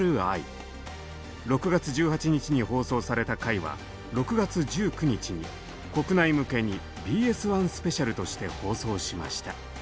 ６月１８日に放送された回は６月１９日に国内向けに「ＢＳ１スペシャル」として放送しました。